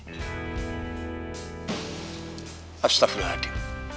sejak siapa lagi